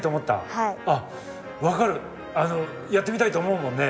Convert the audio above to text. はいあっ分かるやってみたいと思うもんね